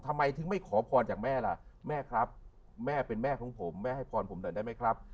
ทำไมถึงไม่ขอพรจากแม่ล่ะแม่ครับแม่เป็นแม่ของผมแม่ให้พรผมหน่อยได้ไหมครับ